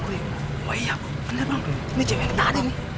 oh iya bang ini cewek yang tadi nih